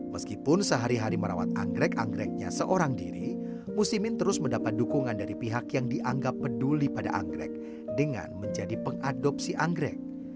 meskipun sehari hari merawat anggrek anggreknya seorang diri musimin terus mendapat dukungan dari pihak yang dianggap peduli pada anggrek dengan menjadi pengadopsi anggrek